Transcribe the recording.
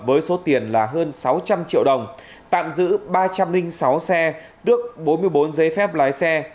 với số tiền là hơn sáu trăm linh triệu đồng tạm giữ ba trăm linh sáu xe tước bốn mươi bốn giấy phép lái xe